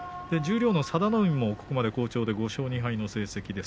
十両の佐田の海もここまで好調で５勝２敗の成績です。